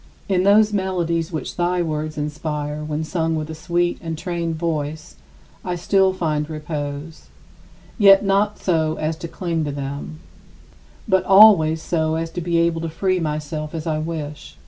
In those melodies which thy words inspire when sung with a sweet and trained voice, I still find repose; yet not so as to cling to them, but always so as to be able to free myself as I wish.